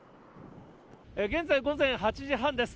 現在午前８時半です。